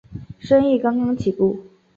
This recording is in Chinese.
生意刚刚起步